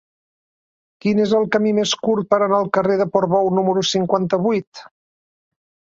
Quin és el camí més curt per anar al carrer de Portbou número cinquanta-vuit?